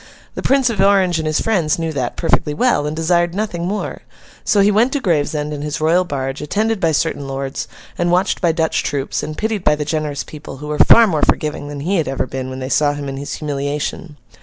The Prince of Orange and his friends knew that, perfectly well, and desired nothing more. So, he went to Gravesend, in his royal barge, attended by certain lords, and watched by Dutch troops, and pitied by the generous people, who were far more forgiving than he had ever been, when they saw him in his humiliation.